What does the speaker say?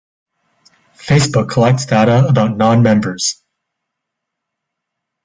Facebook collects data about non-members.